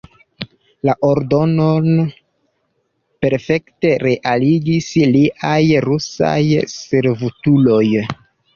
La ordonon perfekte realigis liaj rusaj servutuloj.